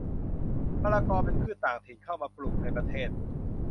มะละกอ เป็นพืชต่างถิ่น เข้ามาปลูกในประเทศ